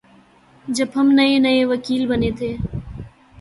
جب ہم نئے نئے وکیل بنے تھے